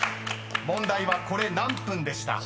［問題は「これ何分？」でした］